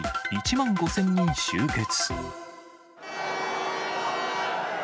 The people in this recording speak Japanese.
１万５０００人集結。